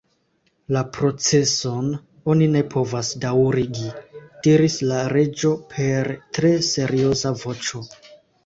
"La proceson oni ne povas daŭrigi," diris la Reĝo per tre serioza voĉo.